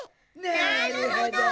なるほど！